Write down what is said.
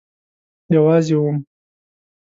یوازی وم